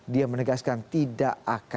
dia menegaskan tidak akan asal bicara